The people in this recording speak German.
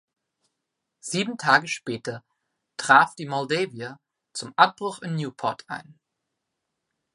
Sieben Tage später traf die "Moldavia" zum Abbruch in Newport ein.